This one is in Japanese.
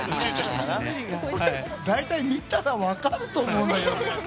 大体見たら分かると思うんだけど。